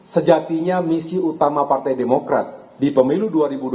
sejatinya misi utama partai demokrat di pemilu dua ribu dua puluh